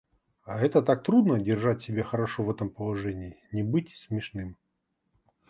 А это так трудно держать себя хорошо в этом положении — не быть смешным.